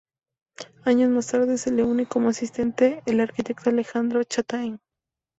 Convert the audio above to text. Años más tarde se le une como asistente el arquitecto Alejandro Chataing.